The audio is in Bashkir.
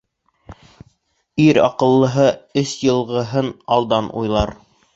Ир аҡыллыһы өс йылғыһын алдан уйлар